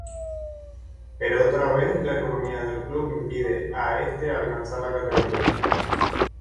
Pero otra vez la economía del club impide a este alcanzar la categoría.